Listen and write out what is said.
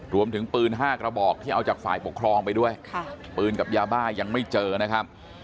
รวมถึงปืน๕กระบอกที่เอาจากฝ่ายปกครองไปด้วยปืนกับยาบ้ายังไม่เจอนะครับ